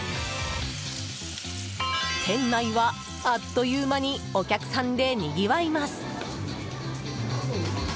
店内は、あっという間にお客さんでにぎわいます。